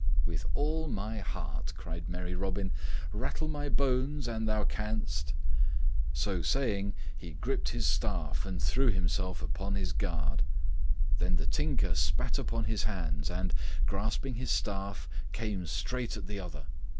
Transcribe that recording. "With all my heart," cried merry Robin. "Rattle my bones, an thou canst." So saying, he gripped his staff and threw himself upon his guard. Then the Tinker spat upon his hands and, grasping his staff, came straight at the other.